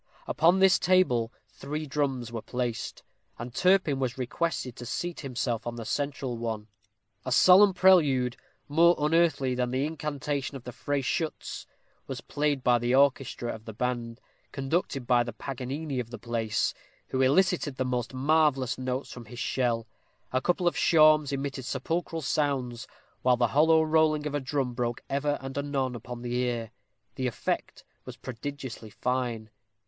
Upon this table three drums were placed; and Turpin was requested to seat himself on the central one. A solemn prelude, more unearthly than the incantation in the Freyschütz, was played by the orchestra of the band, conducted by the Paganini of the place, who elicited the most marvellous notes from his shell. A couple of shawms emitted sepulchral sounds, while the hollow rolling of a drum broke ever and anon upon the ear. The effect was prodigiously fine.